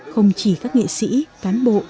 không chỉ các nghị sĩ cám bộ